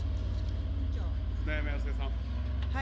舟山康江さん。